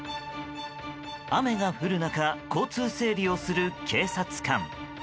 雨が降る中交通整理をする警察官。